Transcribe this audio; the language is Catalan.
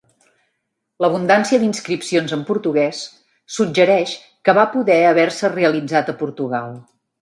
L'abundància d'inscripcions en portuguès suggereix que va poder haver-se realitzat a Portugal.